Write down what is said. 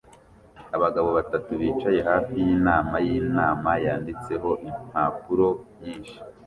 Abagabo batatu bicaye hafi yinama yinama yanditseho impapuro nyinshi